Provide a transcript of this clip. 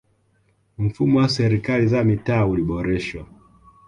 mfumo wa serikali za mitaa uliboreshwa